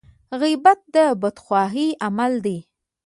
غيبت د بدخواهي عمل دی.